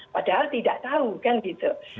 padahal tidak tahu kan gitu